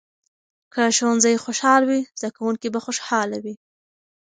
که ښوونځي خوشال وي، زده کوونکي به خوشحاله وي.